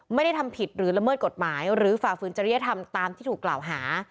ไม่ได้ทำผิดหรือละเมิดกฎหมายหรือฝ่าฝืนจริยธรรมตามที่ถูกกล่าวหา